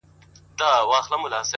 سکون د متوازن ژوند نښه ده,